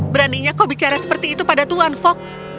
beraninya kau bicara seperti itu pada tuhan fok